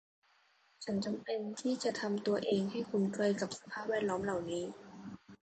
ฉันจำเป็นที่จะทำตัวเองให้คุ้นเคยกับสภาพแวดล้อมเหล่านี้